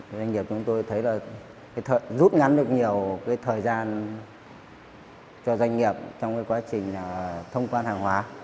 doanh nghiệp chúng tôi thấy là rút ngắn được nhiều cái thời gian cho doanh nghiệp trong quá trình thông quan hàng hóa